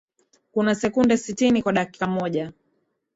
Kuna sekunde sitini kwa dakika moja.